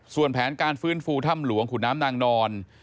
ส่วนแผนการฟื้นฟูถ้ำหลวงขุนน้ำนางนอน